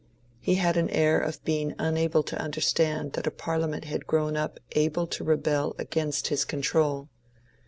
He had an air of being unable to understand that a Parliament had grown up able to rebel against his control.